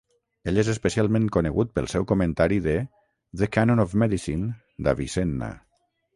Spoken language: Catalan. Ell és especialment conegut pel seu comentari de "The Canon of Medicine" d'Avicenna.